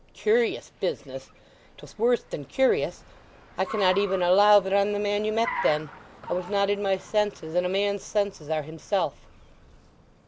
"Curious business! 'Twas worse than curious. I cannot even allow that I'm the man you met then. I was not in my senses, and a man's senses are himself."